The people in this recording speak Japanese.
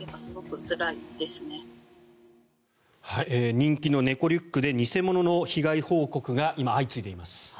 人気の猫リュックで偽物の被害報告が今、相次いでいます。